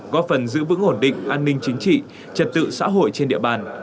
góp phần giữ vững ổn định an ninh chính trị trật tự xã hội trên địa bàn